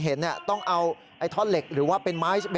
โทษทีโทษทีโทษทีโทษที